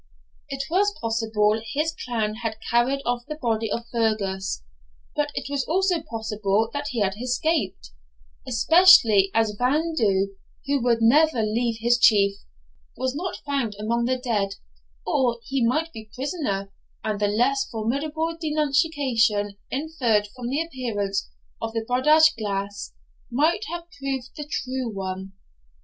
It was possible his clan had carried off the body of Fergus; but it was also possible he had escaped, especially as Evan Dhu, who would never leave his Chief, was not found among the dead; or he might be prisoner, and the less formidable denunciation inferred from the appearance of the Bodach Glas might have proved the true one.